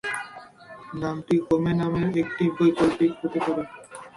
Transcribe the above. নামটি "হোমে" নামের একটি বৈকল্পিক হতে পারে।